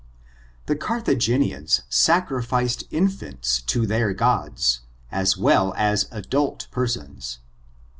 The Carthaginians sacrificed infants to their gods, as well as adult persons.